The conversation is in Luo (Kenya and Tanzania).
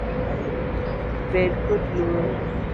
Bed kod luor .